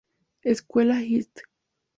Esc. Hist.